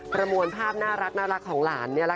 ประมวลภาพน่ารักของหลาน